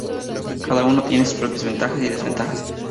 Cada uno tiene sus propias ventajas y desventajas.